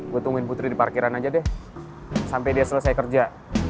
gue tungguin putri di parkiran aja deh sampai dia selesai kerja